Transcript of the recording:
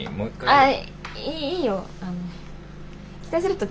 はい。